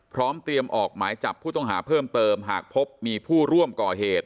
พร้อมเตรียมออกหมายจับผู้ต้องหาเพิ่มเติมหากพบมีผู้ร่วมก่อเหตุ